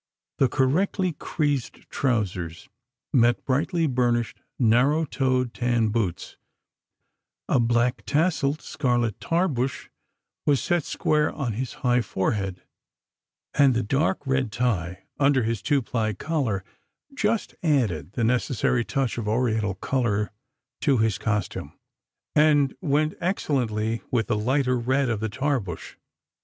The correctly creased trousers met brightly burnished, narrow toed tan boots; a black tasselled scarlet tarbush was set square on his high forehead, and the dark red tie under his two ply collar just added the necessary touch of Oriental colour to his costume, and went excellently with the lighter red of the tarbush.